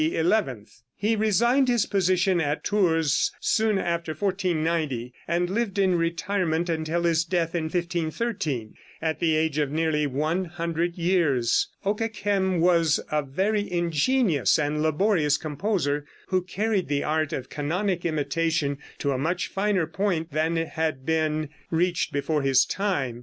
He resigned his position at Tours soon after 1490, and lived in retirement until his death in 1513, at the age of nearly 100 years. Okeghem was a very ingenious and laborious composer, who carried the art of canonic imitation to a much finer point than had been reached before his time.